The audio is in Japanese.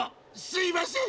すいません！